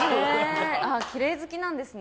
きれい好きなんですね。